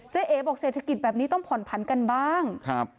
เอ๋บอกเศรษฐกิจแบบนี้ต้องผ่อนผันกันบ้างครับ